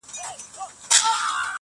او د غزل ښکلا یې